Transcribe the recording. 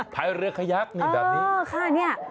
พายเรือขยักนี่แบบนี้